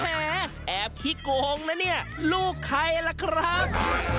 แหมแอบขี้โกงนะเนี่ยลูกใครล่ะครับ